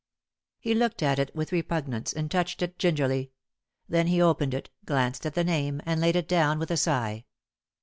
He looked at it with repugnance, and touched it gingerly. Then he opened it, glanced at the name, and laid it down with a sigh.